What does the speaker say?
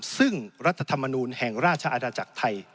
ซึ่งรัฐธรรมนูลแห่งราชอาณาจักรไทย